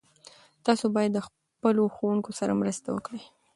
تاسو باید له خپلو ښوونکو سره مرسته وکړئ.